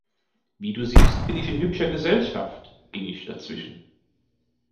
„Wie du siehst bin ich in hübscher Gesellschaft“, ging ich dazwischen.